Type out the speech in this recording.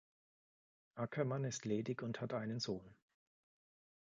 Ackermann ist ledig und hat einen Sohn.